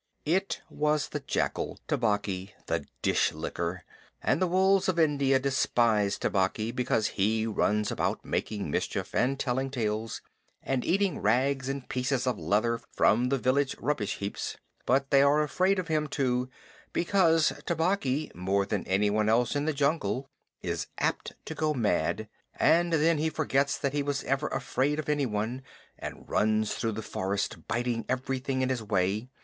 It was the jackal Tabaqui, the Dish licker and the wolves of India despise Tabaqui because he runs about making mischief, and telling tales, and eating rags and pieces of leather from the village rubbish heaps. But they are afraid of him too, because Tabaqui, more than anyone else in the jungle, is apt to go mad, and then he forgets that he was ever afraid of anyone, and runs through the forest biting everything in his way.